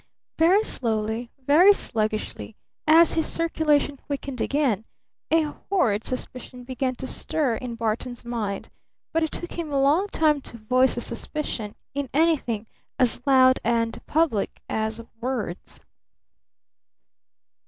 Very slowly, very sluggishly, as his circulation quickened again, a horrid suspicion began to stir in Barton's mind; but it took him a long time to voice the suspicion in anything as loud and public as words.